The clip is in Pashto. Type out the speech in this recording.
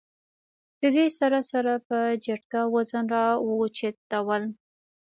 د دې سره سره پۀ جټکه وزن را اوچتول